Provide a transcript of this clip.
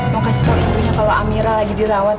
mau kasih tau ibunya kalau amirah lagi dirawat